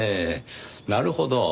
なるほど。